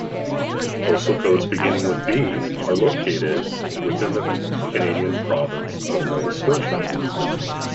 Postal codes beginning with B are located within the Canadian province of Nova Scotia.